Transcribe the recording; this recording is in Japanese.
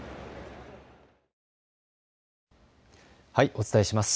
お伝えします。